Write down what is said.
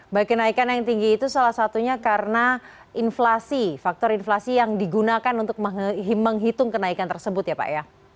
baik kenaikan yang tinggi itu salah satunya karena inflasi faktor inflasi yang digunakan untuk menghitung kenaikan tersebut ya pak ya